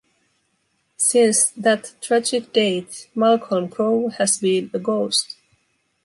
Since that tragic date, Malcolm Crowe has been a ghost.